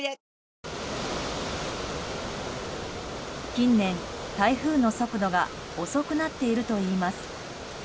近年、台風の速度が遅くなっているといいます。